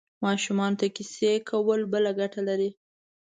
ماشومانو ته کیسې کول بله ګټه لري.